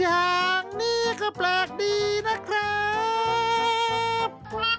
อย่างนี้ก็แปลกดีนะครับ